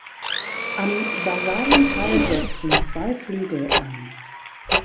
Am basalen Teil setzen zwei Flügel an.